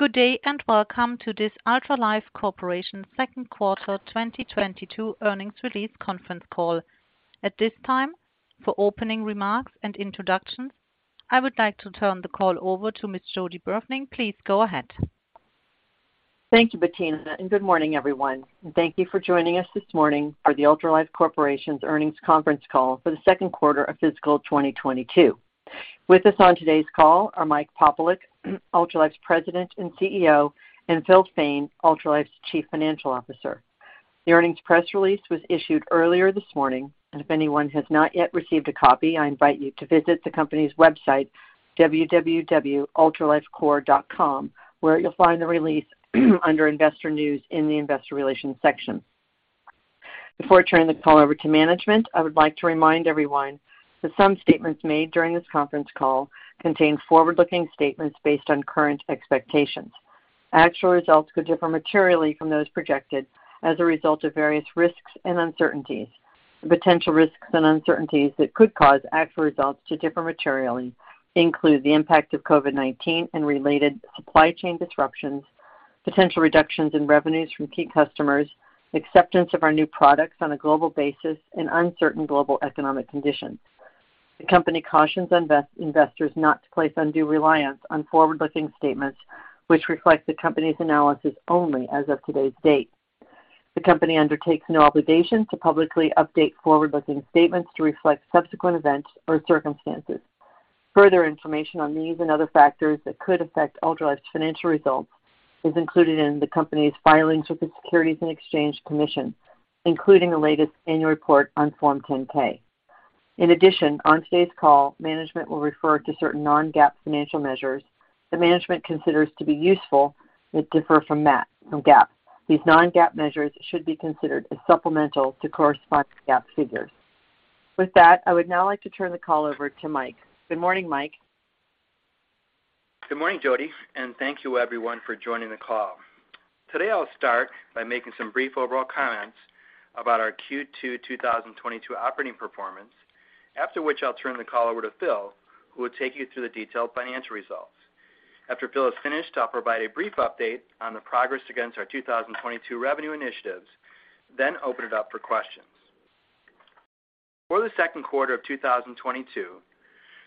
Good day, and welcome to this Ultralife Corporation second quarter 2022 earnings release conference call. At this time, for opening remarks and introductions, I would like to turn the call over to Ms. Jody Burfening. Please go ahead. Thank you, Bettina, and good morning, everyone. Thank you for joining us this morning for the Ultralife Corporation's earnings conference call for the second quarter of fiscal 2022. With us on today's call are Mike Popielec, Ultralife's President and CEO, and Phil Fain, Ultralife's Chief Financial Officer. The earnings press release was issued earlier this morning, and if anyone has not yet received a copy, I invite you to visit the company's website, www.ultralifecorporation.com, where you'll find the release under investor news in the investor relations section. Before I turn the call over to management, I would like to remind everyone that some statements made during this conference call contain forward-looking statements based on current expectations. Actual results could differ materially from those projected as a result of various risks and uncertainties. Potential risks and uncertainties that could cause actual results to differ materially include the impact of COVID-19 and related supply chain disruptions, potential reductions in revenues from key customers, acceptance of our new products on a global basis, and uncertain global economic conditions. The company cautions investors not to place undue reliance on forward-looking statements which reflect the company's analysis only as of today's date. The company undertakes no obligation to publicly update forward-looking statements to reflect subsequent events or circumstances. Further information on these and other factors that could affect Ultralife's financial results is included in the company's filings with the Securities and Exchange Commission, including the latest annual report on Form 10-K. In addition, on today's call, management will refer to certain non-GAAP financial measures the management considers to be useful that differ from GAAP. These non-GAAP measures should be considered as supplemental to correspond to GAAP figures. With that, I would now like to turn the call over to Mike. Good morning, Mike. Good morning, Jody, and thank you everyone for joining the call. Today I'll start by making some brief overall comments about our Q2 2022 operating performance, after which I'll turn the call over to Phil, who will take you through the detailed financial results. After Phil is finished, I'll provide a brief update on the progress against our 2022 revenue initiatives, then open it up for questions. For the second quarter of 2022,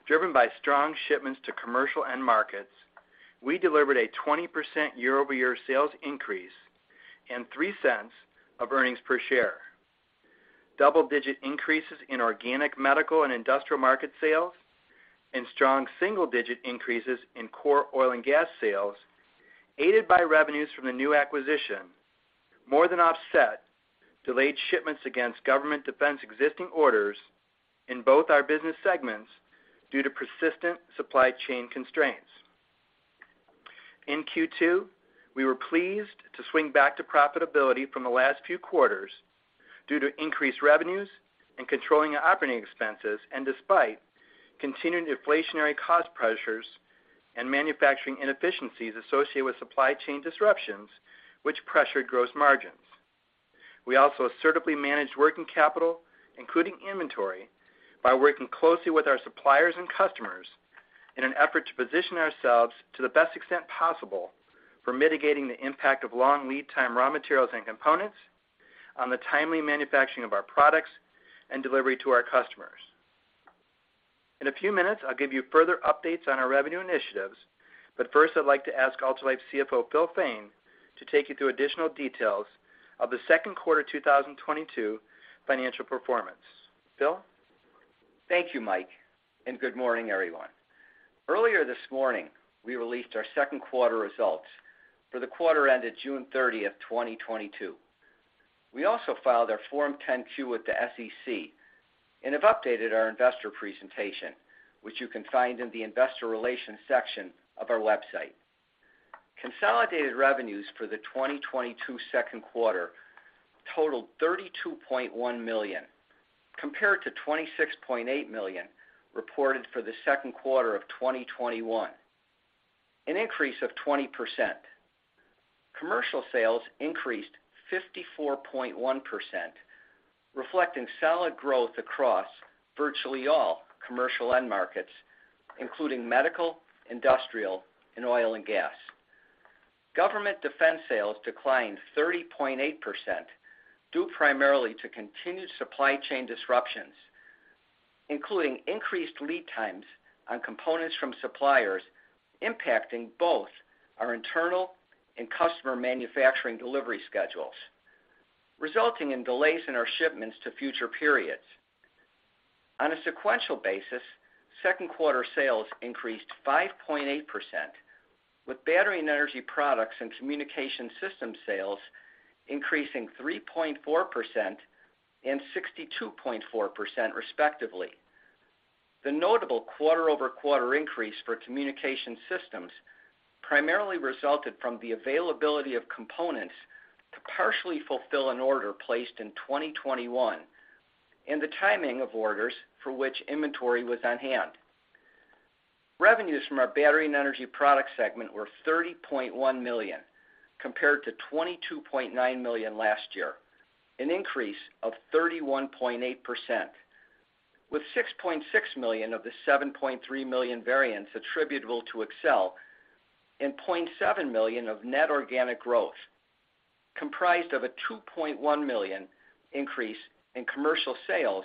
driven by strong shipments to commercial end markets, we delivered a 20% year-over-year sales increase and $0.03 earnings per share. Double-digit increases in organic medical and industrial market sales and strong single-digit increases in core oil and gas sales, aided by revenues from the new acquisition, more than offset delayed shipments against government defense existing orders in both our business segments due to persistent supply chain constraints. In Q2, we were pleased to swing back to profitability from the last few quarters due to increased revenues and controlling our operating expenses, and despite continuing inflationary cost pressures and manufacturing inefficiencies associated with supply chain disruptions which pressured gross margins. We also assertively managed working capital, including inventory, by working closely with our suppliers and customers in an effort to position ourselves to the best extent possible for mitigating the impact of long lead time raw materials and components on the timely manufacturing of our products and delivery to our customers. In a few minutes, I'll give you further updates on our revenue initiatives, but first I'd like to ask Ultralife CFO, Phil Fain, to take you through additional details of the second quarter 2022 financial performance. Phil. Thank you, Mike, and good morning, everyone. Earlier this morning, we released our second quarter results for the quarter ended June 30th, 2022. We also filed our Form 10-Q with the SEC and have updated our investor presentation, which you can find in the investor relations section of our website. Consolidated revenues for the 2022 second quarter totaled $32.1 million, compared to $26.8 million reported for the second quarter of 2021, an increase of 20%. Commercial sales increased 54.1%, reflecting solid growth across virtually all commercial end markets, including medical, industrial, and oil and gas. Government defense sales declined 30.8%, due primarily to continued supply chain disruptions, including increased lead times on components from suppliers impacting both our internal and customer manufacturing delivery schedules, resulting in delays in our shipments to future periods. On a sequential basis, second quarter sales increased 5.8%, with battery and energy products and communication system sales increasing 3.4% and 62.4% respectively. The notable quarter-over-quarter increase for communication systems primarily resulted from the availability of components to partially fulfill an order placed in 2021 and the timing of orders for which inventory was on hand. Revenues from our battery and energy product segment were $30.1 million, compared to $22.9 million last year, an increase of 31.8%. With $6.6 million of the $7.3 million variance attributable to Excell and $0.7 million of net organic growth, comprised of a $2.1 million increase in commercial sales,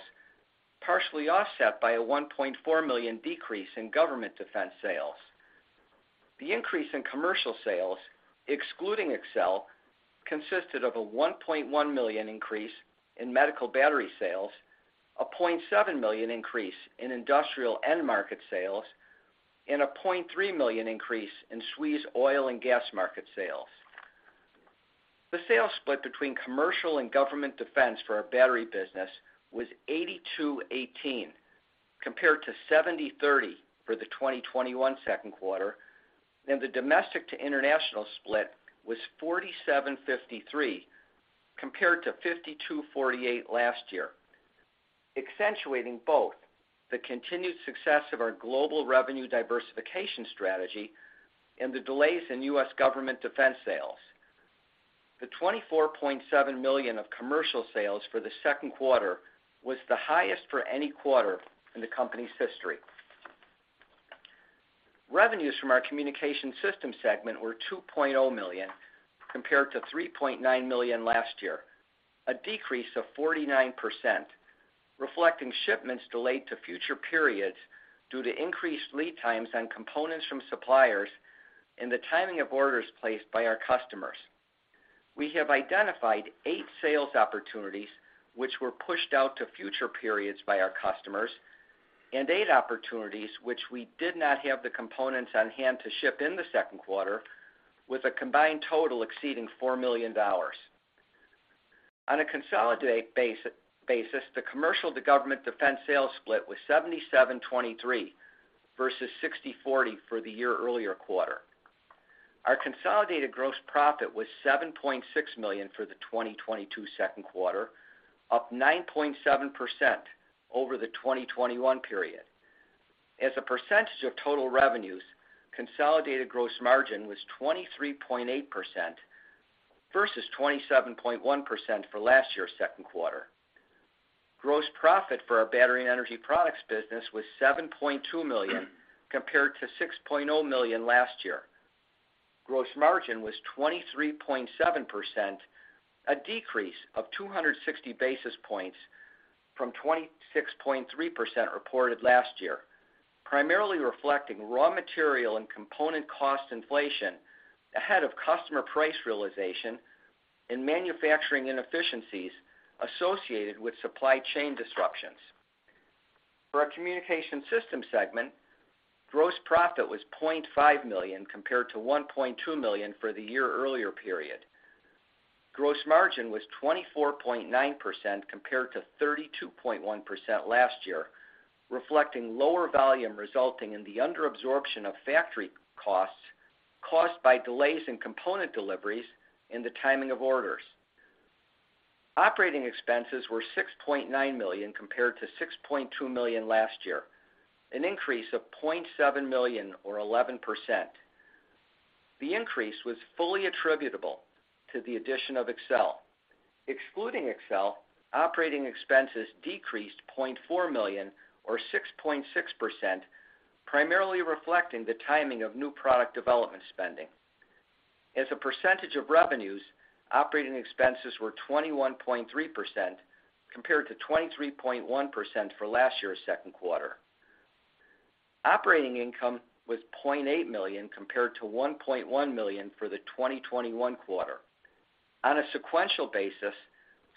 partially offset by a $1.4 million decrease in government defense sales. The increase in commercial sales, excluding Excell, consisted of a $1.1 million increase in medical battery sales, a $0.7 million increase in industrial end-market sales, and a $0.3 million increase in subsea oil and gas market sales. The sales split between commercial and government defense for our battery business was 82/18, compared to 70/30 for the 2021 second quarter, and the domestic to international split was 47/53, compared to 52/48 last year, accentuating both the continued success of our global revenue diversification strategy and the delays in U.S. government defense sales. The $24.7 million of commercial sales for the second quarter was the highest for any quarter in the company's history. Revenues from our communication system segment were $2.0 million compared to $3.9 million last year, a decrease of 49%, reflecting shipments delayed to future periods due to increased lead times on components from suppliers and the timing of orders placed by our customers. We have identified eight sales opportunities which were pushed out to future periods by our customers and eight opportunities which we did not have the components on hand to ship in the second quarter with a combined total exceeding $4 million. On a consolidated basis, the commercial to government defense sales split was 77/23 versus 60/40 for the year-earlier quarter. Our consolidated gross profit was $7.6 million for the 2022 second quarter, up 9.7% over the 2021 period. As a percentage of total revenues, consolidated gross margin was 23.8% versus 27.1% for last year's second quarter. Gross profit for our battery and energy products business was $7.2 million compared to $6.0 million last year. Gross margin was 23.7%, a decrease of 260 basis points from 26.3% reported last year, primarily reflecting raw material and component cost inflation ahead of customer price realization and manufacturing inefficiencies associated with supply chain disruptions. For our communication system segment, gross profit was $0.5 million compared to $1.2 million for the year earlier period. Gross margin was 24.9% compared to 32.1% last year, reflecting lower volume resulting in the under absorption of factory costs caused by delays in component deliveries and the timing of orders. Operating expenses were $6.9 million compared to $6.2 million last year, an increase of $0.7 million or 11%. The increase was fully attributable to the addition of Excell. Excluding Excell, operating expenses decreased $0.4 million or 6.6%, primarily reflecting the timing of new product development spending. As a percentage of revenues, operating expenses were 21.3% compared to 23.1% for last year's second quarter. Operating income was $0.8 million compared to $1.1 million for the 2021 quarter. On a sequential basis,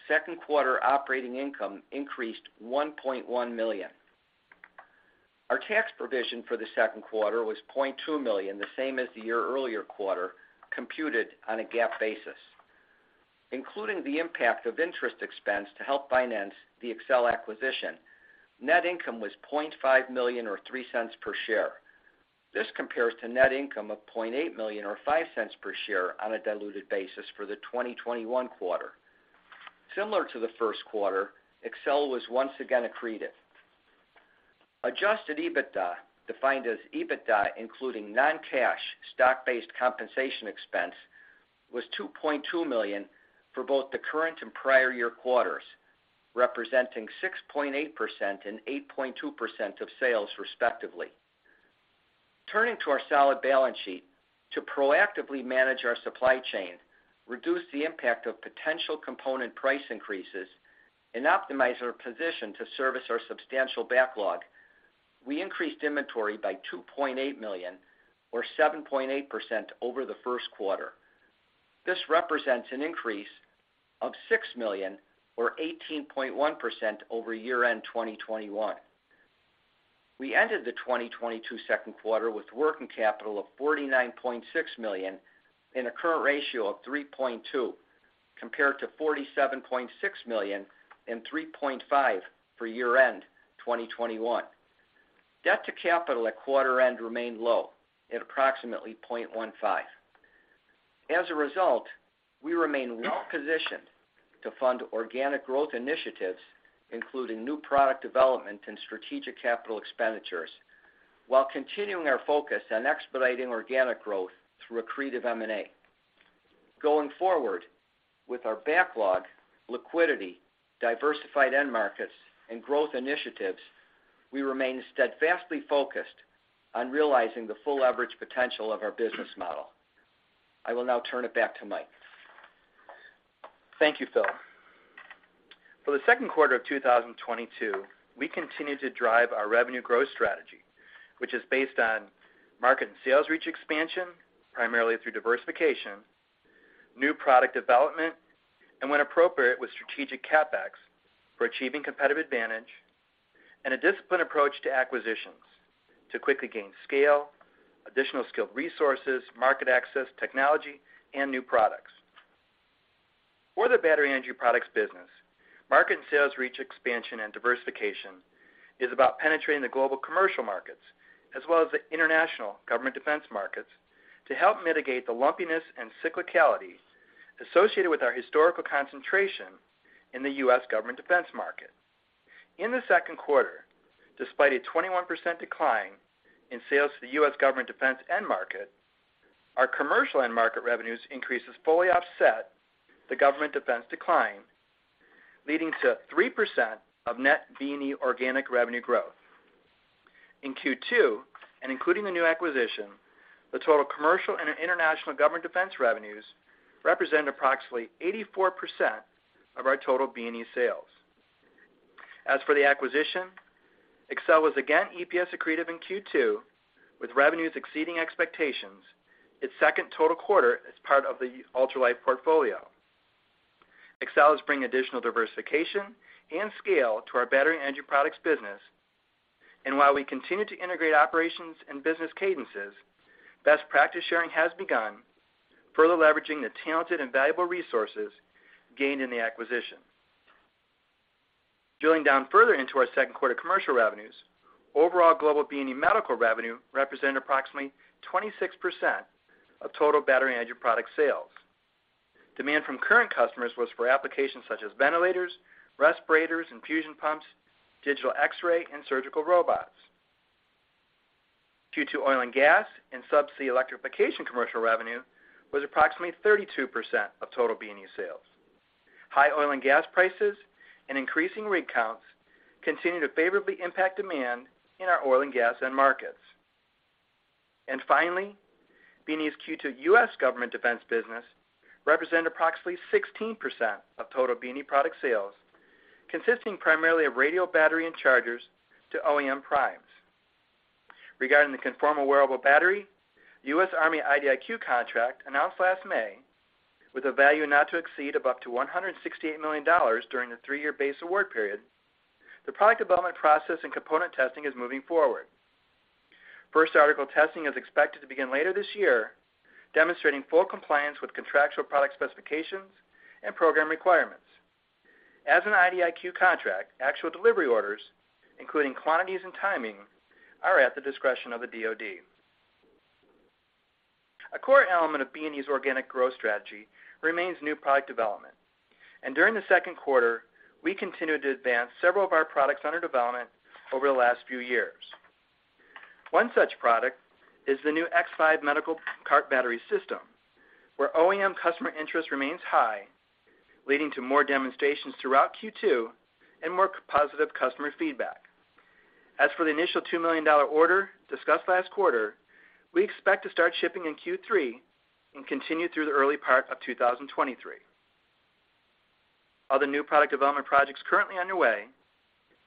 second quarter operating income increased $1.1 million. Our tax provision for the second quarter was $0.2 million, the same as the year earlier quarter computed on a GAAP basis. Including the impact of interest expense to help finance the Excell acquisition, net income was $0.5 million or $0.03 per share. This compares to net income of $0.8 million or $0.05 per share on a diluted basis for the 2021 quarter. Similar to the first quarter, Excell was once again accretive. Adjusted EBITDA, defined as EBITDA including non-cash stock-based compensation expense, was $2.2 million for both the current and prior year quarters, representing 6.8% and 8.2% of sales respectively. Turning to our solid balance sheet, to proactively manage our supply chain, reduce the impact of potential component price increases, and optimize our position to service our substantial backlog, we increased inventory by $2.8 million or 7.8% over the first quarter. This represents an increase of $6 million or 18.1% over year-end 2021. We ended the 2022 second quarter with working capital of $49.6 million and a current ratio of 3.2x compared to $47.6 million and 3.5x for year-end 2021. Debt to capital at quarter end remained low at approximately 0.15x. As a result, we remain well positioned to fund organic growth initiatives, including new product development and strategic capital expenditures, while continuing our focus on expediting organic growth through accretive M&A. Going forward with our backlog, liquidity, diversified end markets, and growth initiatives, we remain steadfastly focused on realizing the full leverage potential of our business model. I will now turn it back to Mike. Thank you, Phil. For the second quarter of 2022, we continue to drive our revenue growth strategy, which is based on market and sales reach expansion, primarily through diversification, new product development, and when appropriate, with strategic CapEx for achieving competitive advantage and a disciplined approach to acquisitions to quickly gain scale, additional skilled resources, market access, technology, and new products. For the battery energy products business, market and sales reach expansion and diversification is about penetrating the global commercial markets as well as the international government defense markets to help mitigate the lumpiness and cyclicality associated with our historical concentration in the U.S. government defense market. In the second quarter, despite a 21% decline in sales to the U.S. government defense end market, our commercial end market revenues increases fully offset the government defense decline, leading to 3% of net B&E organic revenue growth. In Q2, and including the new acquisition, the total commercial and international government defense revenues represent approximately 84% of our total B&E sales. As for the acquisition, Excell was again EPS accretive in Q2 with revenues exceeding expectations, its second total quarter as part of the Ultralife portfolio. Excell is bringing additional diversification and scale to our battery energy products business. While we continue to integrate operations and business cadences, best practice sharing has begun, further leveraging the talented and valuable resources gained in the acquisition. Drilling down further into our second quarter commercial revenues, overall global B&E medical revenue represented approximately 26% of total battery energy product sales. Demand from current customers was for applications such as ventilators, respirators, infusion pumps, digital X-ray, and surgical robots. Q2 oil and gas and subsea electrification commercial revenue was approximately 32% of total B&E sales. High oil and gas prices and increasing rig counts continue to favorably impact demand in our oil and gas end markets. Finally, B&E's Q2 U.S. government defense business represented approximately 16% of total B&E product sales, consisting primarily of radio battery and chargers to OEM primes. Regarding the Conformal Wearable Battery, U.S. Army IDIQ contract announced last May, with a value not to exceed of up to $168 million during the 3-year base award period, the product development process and component testing is moving forward. First article testing is expected to begin later this year, demonstrating full compliance with contractual product specifications and program requirements. As an IDIQ contract, actual delivery orders, including quantities and timing, are at the discretion of the DoD. A core element of B&E's organic growth strategy remains new product development. During the second quarter, we continued to advance several of our products under development over the last few years. One such product is the new X5 medical cart battery system, where OEM customer interest remains high, leading to more demonstrations throughout Q2 and more positive customer feedback. As for the initial $2 million order discussed last quarter, we expect to start shipping in Q3 and continue through the early part of 2023. Other new product development projects currently underway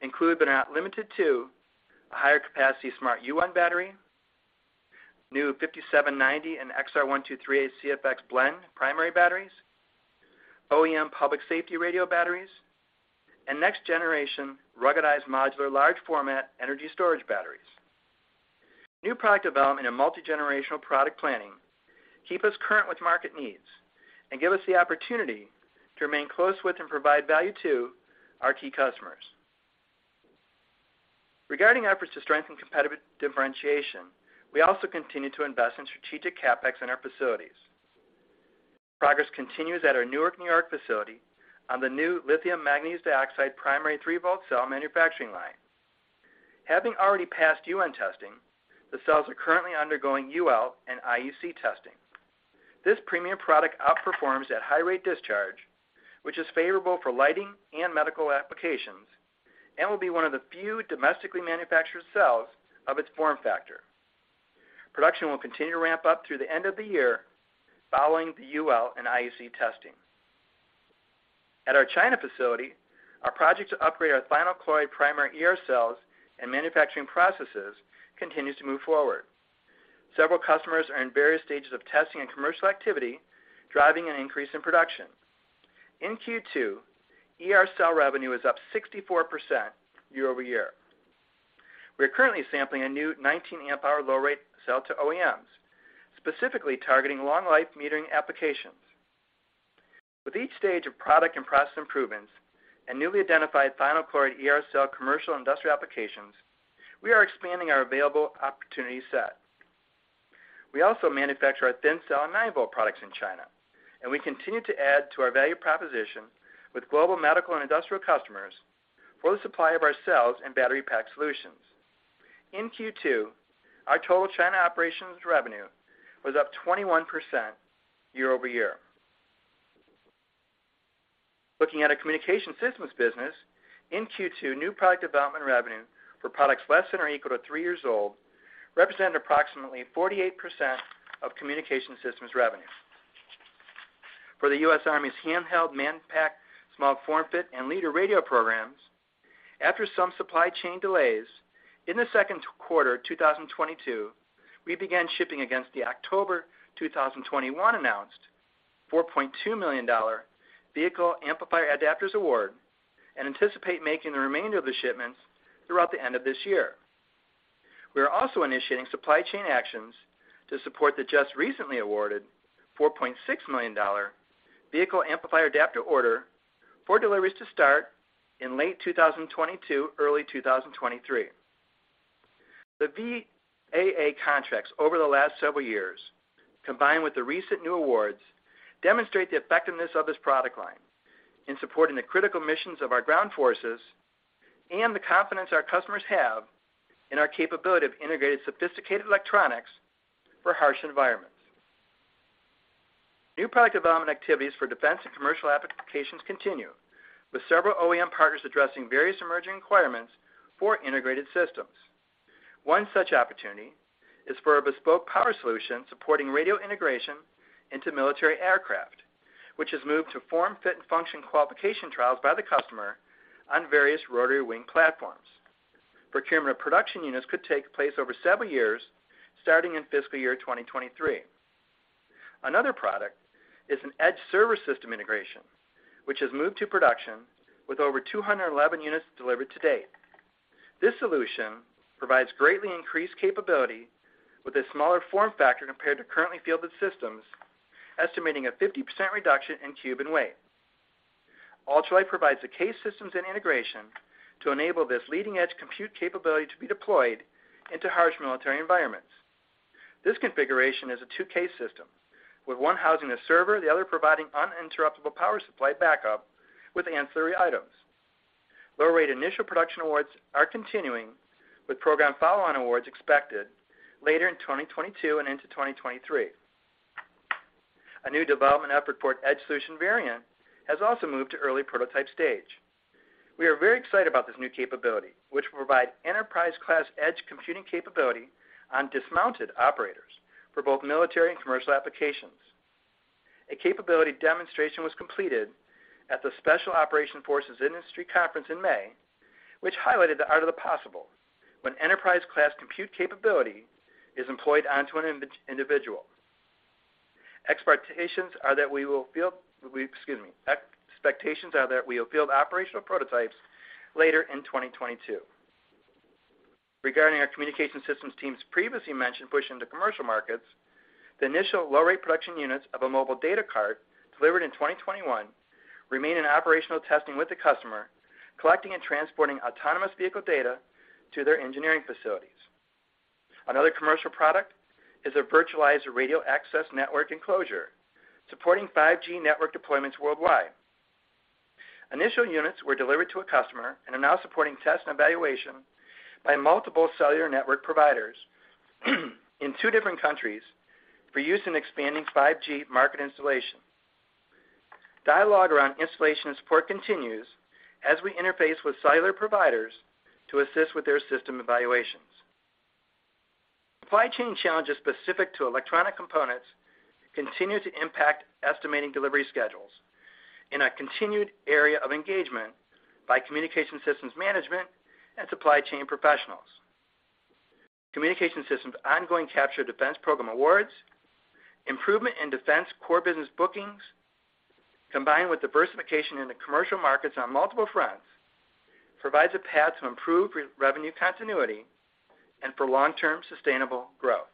include, but are not limited to, a higher capacity smart UN battery, new BA-5790 and XR123A CFx blend primary batteries, OEM public safety radio batteries, and next generation ruggedized modular large format energy storage batteries. New product development and multigenerational product planning keep us current with market needs and give us the opportunity to remain close with and provide value to our key customers. Regarding efforts to strengthen competitive differentiation, we also continue to invest in strategic CapEx in our facilities. Progress continues at our Newark, New York facility on the new lithium manganese dioxide primary 3 V cell manufacturing line. Having already passed UN testing, the cells are currently undergoing UL and IEC testing. This premium product outperforms at high rate discharge, which is favorable for lighting and medical applications, and will be one of the few domestically manufactured cells of its form factor. Production will continue to ramp up through the end of the year following the UL and IEC testing. At our China facility, our project to upgrade our thionyl chloride primary ER cells and manufacturing processes continues to move forward. Several customers are in various stages of testing and commercial activity, driving an increase in production. In Q2, ER cell revenue is up 64% year-over-year. We are currently sampling a new 19 A hour low rate cell to OEMs, specifically targeting long life metering applications. With each stage of product and process improvements and newly identified thionyl chloride ER cell commercial industrial applications, we are expanding our available opportunity set. We also manufacture our Thin Cell and 9 V products in China, and we continue to add to our value proposition with global medical and industrial customers for the supply of our cells and battery pack solutions. In Q2, our total China operations revenue was up 21% year-over-year. Looking at our communication systems business, in Q2, new product development revenue for products less than or equal to 3 years old represented approximately 48% of communication systems revenue. For the U.S. Army's Handheld, Manpack, and Small Form Fit and Leader Radio programs, after some supply chain delays, in the second quarter 2022, we began shipping against the October 2021 announced $4.2 million Vehicle Amplifier-Adaptors award and anticipate making the remainder of the shipments throughout the end of this year. We are also initiating supply chain actions to support the just recently awarded $4.6 million Vehicle Amplifier-Adaptors order for deliveries to start in late 2022, early 2023. The VAA contracts over the last several years, combined with the recent new awards, demonstrate the effectiveness of this product line in supporting the critical missions of our ground forces and the confidence our customers have in our capability of integrated sophisticated electronics for harsh environments. New product development activities for defense and commercial applications continue, with several OEM partners addressing various emerging requirements for integrated systems. One such opportunity is for a bespoke power solution supporting radio integration into military aircraft, which has moved to form, fit, and function qualification trials by the customer on various rotary wing platforms. Procurement of production units could take place over several years, starting in fiscal year 2023. Another product is an edge server system integration, which has moved to production with over 211 units delivered to date. This solution provides greatly increased capability with a smaller form factor compared to currently fielded systems, estimating a 50% reduction in cube and weight. Ultralife provides the case systems and integration to enable this leading-edge compute capability to be deployed into harsh military environments. This configuration is a two-case system, with one housing the server, the other providing uninterruptible power supply backup with ancillary items. Low rate initial production awards are continuing, with program follow-on awards expected later in 2022 and into 2023. A new development effort for an edge solution variant has also moved to early prototype stage. We are very excited about this new capability, which will provide enterprise-class edge computing capability on dismounted operators for both military and commercial applications. A capability demonstration was completed at the Special Operations Forces Industry Conference in May, which highlighted the art of the possible when enterprise-class compute capability is employed onto an individual. Expectations are that we'll field operational prototypes later in 2022. Regarding our communication systems teams previously mentioned push into commercial markets, the initial low rate production units of a mobile data cart delivered in 2021 remain in operational testing with the customer, collecting and transporting autonomous vehicle data to their engineering facilities. Another commercial product is a virtualized radio access network enclosure supporting 5G network deployments worldwide. Initial units were delivered to a customer and are now supporting test and evaluation by multiple cellular network providers in two different countries for use in expanding 5G market installation. Dialogue around installation and support continues as we interface with cellular providers to assist with their system evaluations. Supply chain challenges specific to electronic components continue to impact estimating delivery schedules in a continued area of engagement by communication systems management and supply chain professionals. Communication systems' ongoing capture defense program awards, improvement in defense core business bookings, combined with diversification in the commercial markets on multiple fronts, provides a path to improve revenue continuity and for long-term sustainable growth.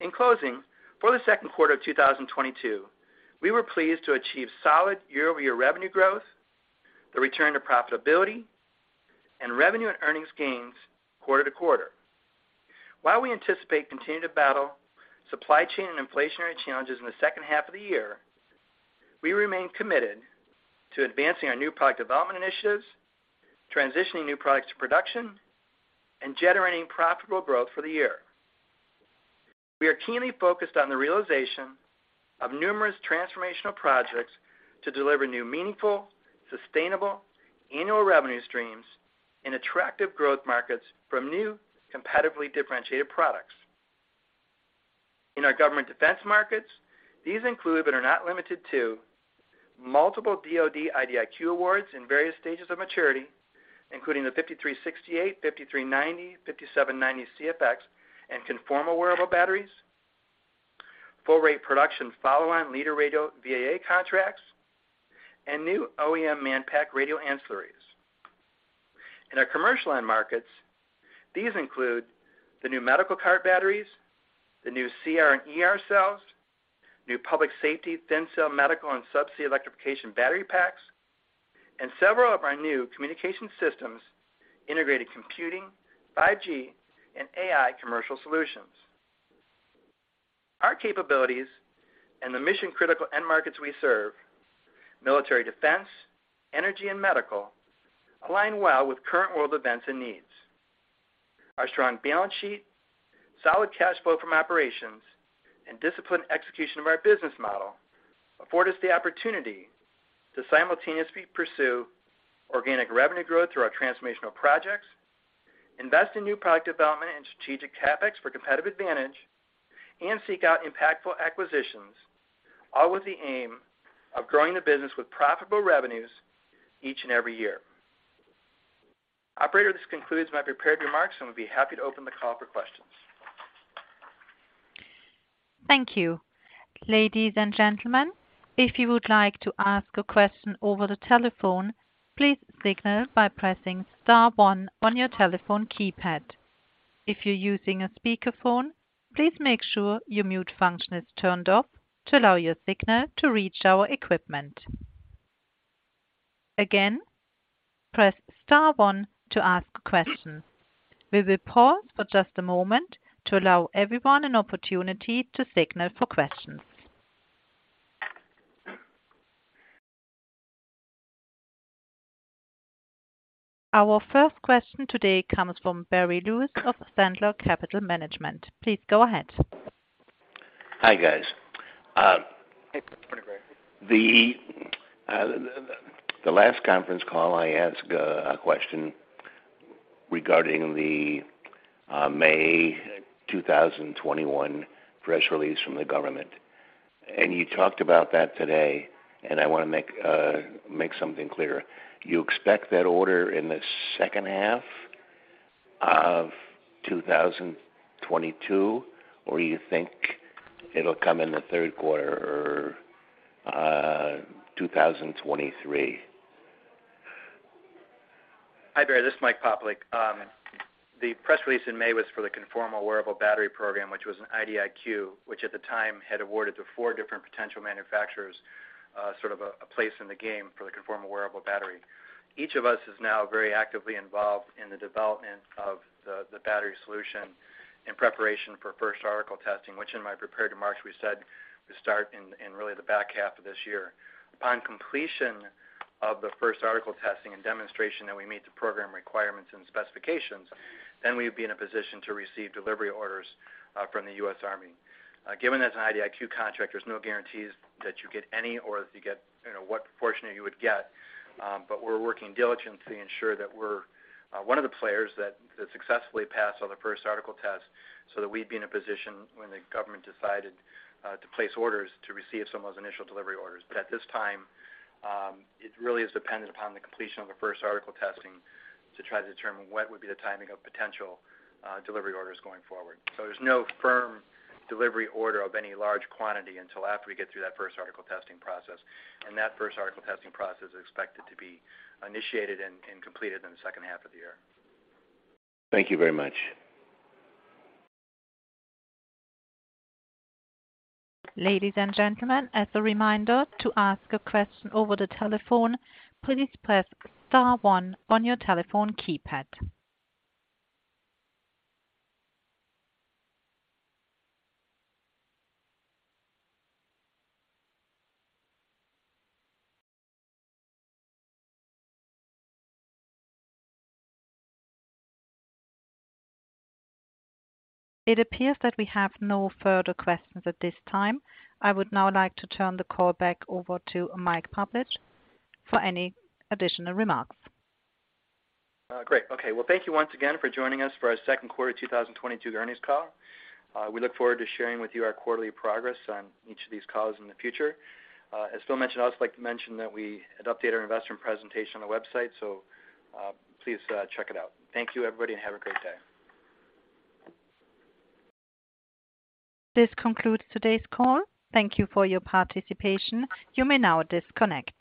In closing, for the second quarter of 2022, we were pleased to achieve solid year-over-year revenue growth, the return to profitability, and revenue and earnings gains quarter-over-quarter. While we anticipate continuing to battle supply chain and inflationary challenges in the second half of the year, we remain committed to advancing our new product development initiatives, transitioning new products to production, and generating profitable growth for the year. We are keenly focused on the realization of numerous transformational projects to deliver new, meaningful, sustainable annual revenue streams in attractive growth markets from new competitively differentiated products. In our government defense markets, these include, but are not limited to, multiple DoD IDIQ awards in various stages of maturity, including the 5368, 5390, 5790, CFx and Conformal Wearable Batteries, full rate production follow on Leader Radio VAA contracts, and new OEM Manpack radio ancillaries. In our commercial end markets, these include the new medical cart batteries, the new CR and ER cells, new public safety, Thin Cell, medical, and subsea electrification battery packs, and several of our new communication systems, integrated computing, 5G, and AI commercial solutions. Our capabilities and the mission-critical end markets we serve, military defense, energy, and medical align well with current world events and needs. Our strong balance sheet, solid cash flow from operations, and disciplined execution of our business model afford us the opportunity to simultaneously pursue organic revenue growth through our transformational projects, invest in new product development and strategic CapEx for competitive advantage, and seek out impactful acquisitions, all with the aim of growing the business with profitable revenues each and every year. Operator, this concludes my prepared remarks, and we'd be happy to open the call for questions. Thank you. Ladies and gentlemen, if you would like to ask a question over the telephone, please signal by pressing star one on your telephone keypad. If you're using a speakerphone, please make sure your mute function is turned off to allow your signal to reach our equipment. Again, press star one to ask a question. We will pause for just a moment to allow everyone an opportunity to signal for questions. Our first question today comes from Barry Lewis of Sandler Capital Management. Please go ahead. Hi, guys. Hey, Barry. The last conference call, I asked a question regarding the May 2021 press release from the government, and you talked about that today, and I wanna make something clear. You expect that order in the second half of 2022, or you think it'll come in the third quarter or 2023? Hi, Barry. This is Mike Popielec. The press release in May was for the Conformal Wearable Battery program, which was an IDIQ, which at the time had awarded to four different potential manufacturers, sort of a place in the game for the Conformal Wearable Battery. Each of us is now very actively involved in the development of the battery solution in preparation for first article testing, which in my prepared remarks we said would start in really the back half of this year. Upon completion of the first article testing and demonstration that we meet the program requirements and specifications, then we'd be in a position to receive delivery orders from the U.S. Army. Given as an IDIQ contract, there's no guarantees that you get any or that you get, you know, what portion you would get, but we're working diligently to ensure that we're one of the players that successfully pass on the first article test so that we'd be in a position when the government decided to place orders to receive some of those initial delivery orders. At this time, it really is dependent upon the completion of the first article testing to try to determine what would be the timing of potential delivery orders going forward. There's no firm delivery order of any large quantity until after we get through that first article testing process, and that first article testing process is expected to be initiated and completed in the second half of the year. Thank you very much. Ladies and gentlemen, as a reminder, to ask a question over the telephone, please press star one on your telephone keypad. It appears that we have no further questions at this time. I would now like to turn the call back over to Mike Popielec for any additional remarks. Great. Okay. Well, thank you once again for joining us for our second quarter 2022 earnings call. We look forward to sharing with you our quarterly progress on each of these calls in the future. As Phil mentioned, I'd also like to mention that we had updated our investor presentation on the website, so please check it out. Thank you, everybody, and have a great day. This concludes today's call. Thank you for your participation. You may now disconnect.